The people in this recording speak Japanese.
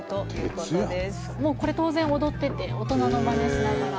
これ当然踊ってて大人のまねしながら。